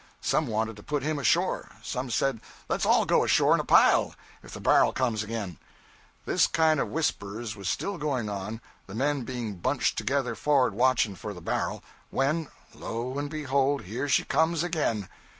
Some wanted to put him ashore. Some said, let's all go ashore in a pile, if the bar'l comes again. 'This kind of whispers was still going on, the men being bunched together forrard watching for the bar'l, when, lo and behold you, here she comes again.